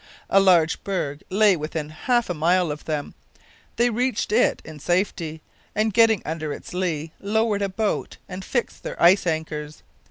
A large berg lay within half a mile of them. They reached it in safety, and getting under its lee, lowered a boat and fixed their ice anchors.